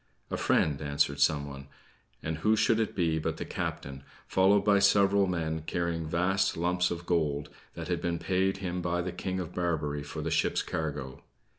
"A friend," answered someone; and who should it be but the captain, followed by several men carrying vast lumps of gold, that had been paid him by the King of Barbary for the ship's cargo.